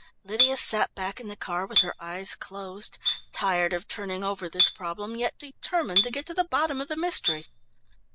Lydia sat back in the car with her eyes closed, tired of turning over this problem, yet determined to get to the bottom of the mystery.